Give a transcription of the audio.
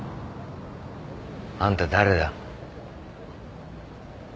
あんた誰だ。